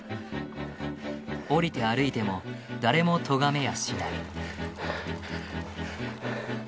降りて歩いても誰もとがめやしない。